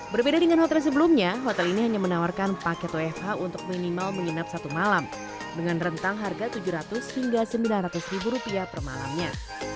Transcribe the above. berbeda dengan hotel yang sebelumnya hotel ini hanya menawarkan paket ofh untuk minimal menginap satu malam dengan rentang harga rp tujuh ratus hingga rp sembilan ratus per malamnya